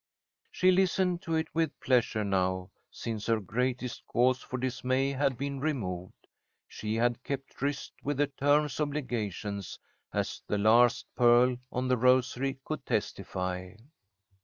She listened to it with pleasure now, since her greatest cause for dismay had been removed. She had kept tryst with the term's obligations, as the last pearl on the rosary could testify.